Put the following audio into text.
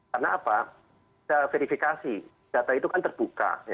karena apa verifikasi data itu kan terbuka